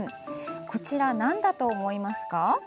こちら、なんだと思いますか？